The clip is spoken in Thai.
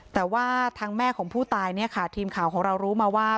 แต่ว่าทั้งแม่ของผู้ตายทีมข่าวของเรารู้มาว่า